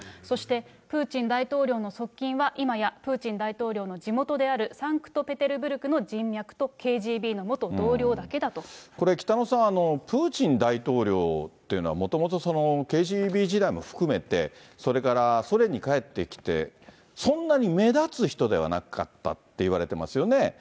そして、プーチン大統領の側近は、今やプーチン大統領の地元であるサンクトペテルブルクの人脈とＫ北野さん、プーチン大統領っていうのは、もともとそのＫＧＢ時代も含めて、それからソ連に帰ってきて、そんなに目立つ人ではなかったっていわれてますよね。